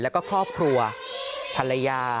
พวกครัวภรรยา